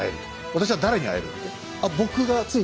私は誰に会えるんだい？